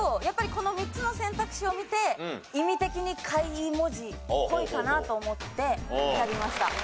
やっぱりこの３つの選択肢を見て意味的に会意文字っぽいかなと思って選びました。